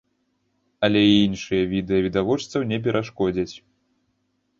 Але і іншыя відэа відавочцаў не перашкодзяць.